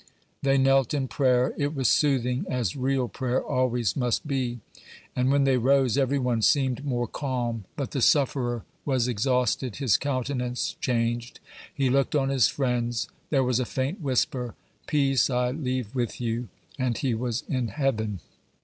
They knelt in prayer. It was soothing, as real prayer always must be; and when they rose, every one seemed more calm. But the sufferer was exhausted; his countenance changed; he looked on his friends; there was a faint whisper, "Peace I leave with you" and he was in heaven.